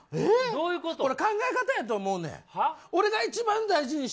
これ考え方やと思うねん。